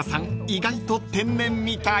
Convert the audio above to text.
意外と天然みたい］